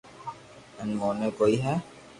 ھين موني ڪوئي ھيي